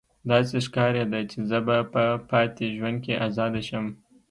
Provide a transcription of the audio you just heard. داسې ښکاریده چې زه به په پاتې ژوند کې ازاده شم